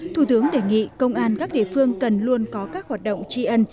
thủ tướng đề nghị công an các địa phương cần luôn có các hoạt động tri ân